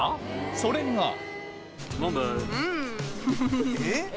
それがえっ？